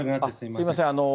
すみません。